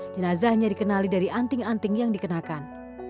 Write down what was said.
jenazahnya dikenali dari anting anting yang dikenakan